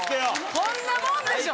こんなもんでしょ。